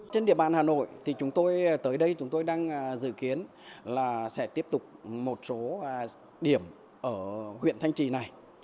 trên địa bàn hà nội thì chúng tôi tới đây chúng tôi đang dự kiến là sẽ tiếp tục một số điểm ở huyện thanh trì này